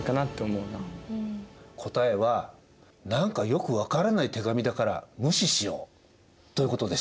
答えは何かよく分からない手紙だから無視しようということでした。